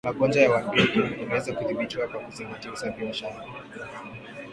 magonjwa na wadudu wanaweza kudhibitiwa kwa kuzingatia usafi wa shamba